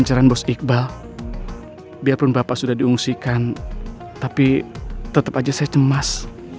walaupun bapak sudah diungsikan tapi tetap saja saya cemas